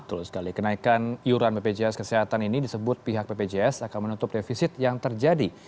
betul sekali kenaikan iuran bpjs kesehatan ini disebut pihak bpjs akan menutup defisit yang terjadi